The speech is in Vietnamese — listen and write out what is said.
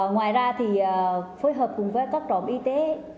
ngoài ra thì phối hợp cùng với các trọng y tế các trường hợp đi làm em ở trung quốc